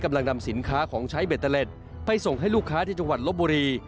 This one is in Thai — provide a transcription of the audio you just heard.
นำสินค้าของใช้เบตเตอร์เล็ตไปส่งให้ลูกค้าที่จังหวัดลบบุรี